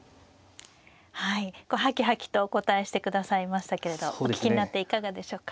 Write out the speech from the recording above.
はいはきはきとお答えしてくださいましたけれどお聞きになっていかがでしたでしょうか。